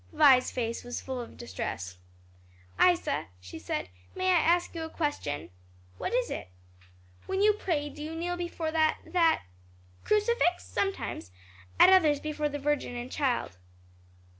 Vi's face was full of distress; "Isa," she said, "may I ask you a question?" "What is it?" "When you pray, do you kneel before that that " "Crucifix? sometimes, at others before the Virgin and child."